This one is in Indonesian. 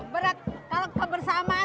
berat kalau kebersamaan tidak berat